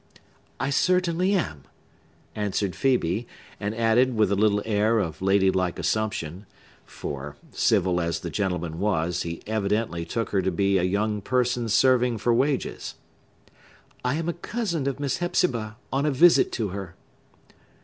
"I certainly am," answered Phœbe, and added, with a little air of lady like assumption (for, civil as the gentleman was, he evidently took her to be a young person serving for wages), "I am a cousin of Miss Hepzibah, on a visit to her."